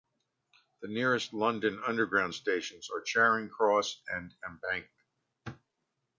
The nearest London Underground stations are Charing Cross and Embankment.